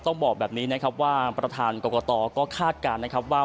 ต้องบอกแบบนี้นะครับว่าประธานกรกตก็คาดการณ์นะครับว่า